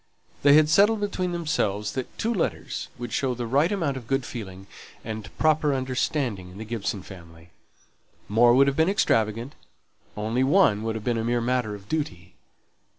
They had settled between themselves that two letters would show the right amount of good feeling and proper understanding in the Gibson family: more would have been extravagant; only one would have been a mere matter of duty.